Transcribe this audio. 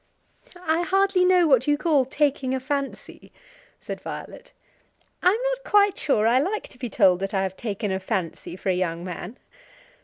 "I hardly know what you call taking a fancy," said Violet. "I am not quite sure I like to be told that I have taken a fancy for a young man."